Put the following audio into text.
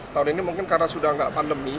tahun ini mungkin karena sudah tidak pandemi